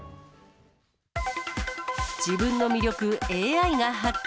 自分の魅力ＡＩが発見。